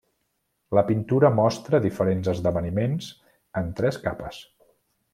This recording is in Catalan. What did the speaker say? La pintura mostra diferents esdeveniments en tres capes.